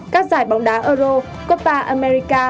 các giải bóng đá euro copa america